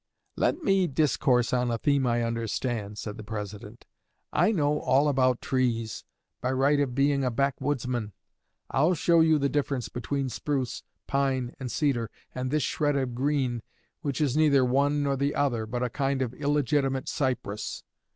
'Let me discourse on a theme I understand,' said the President. 'I know all about trees, by right of being a backwoodsman. I'll show you the difference between spruce, pine, and cedar, and this shred of green, which is neither one nor the other, but a kind of illegitimate cypress.'